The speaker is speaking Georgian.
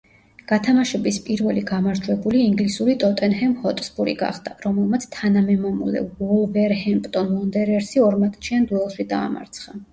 გათამაშების პირველი გამარჯვებული ინგლისური „ტოტენჰემ ჰოტსპური“ გახდა, რომელმაც თანამემამულე „ვულვერჰემპტონ უონდერერსი“ ორმატჩიან დუელში დაამარცხა.